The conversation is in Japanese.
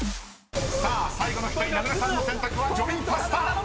［最後の１人名倉さんの選択はジョリーパスタ！］